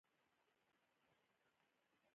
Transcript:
ګلمن وزیر ډیر با غیرته ځوان و